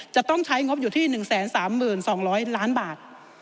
จะต้องใช้งบอยู่ที่๑๓๒๐๐ล้านบาท